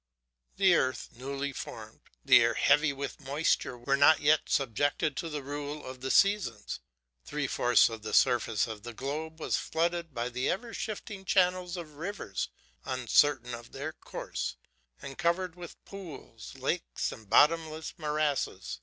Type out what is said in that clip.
The earth, newly formed, the air heavy with moisture, were not yet subjected to the rule of the seasons. Three fourths of the surface of the globe was flooded by the ever shifting channels of rivers uncertain of their course, and covered with pools, lakes, and bottomless morasses.